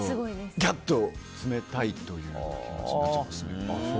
ガッと詰めたいという気持ちになっちゃいますね。